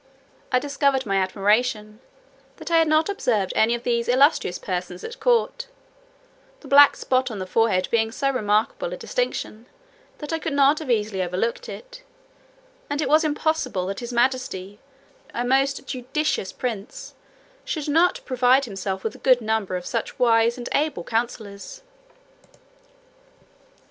I discovered my admiration, "that I had not observed any of these illustrious persons at court; the black spot on the forehead being so remarkable a distinction, that I could not have easily overlooked it: and it was impossible that his majesty, a most judicious prince, should not provide himself with a good number of such wise and able counsellors.